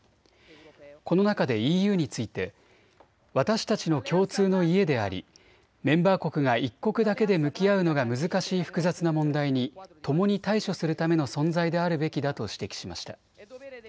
この中でＥＵについて私たちの共通の家でありメンバー国が１国だけで向き合うのが難しい複雑な問題にともに対処するための存在であるべきだと指摘しました。